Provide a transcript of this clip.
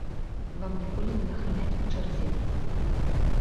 Вам ніколі не нахамяць у чарзе.